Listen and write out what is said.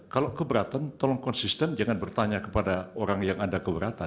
kalau keberatan tolong konsisten jangan bertanya kepada orang yang ada keberatan